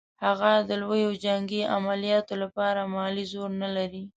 هغه د لویو جنګي عملیاتو لپاره مالي زور نه لري.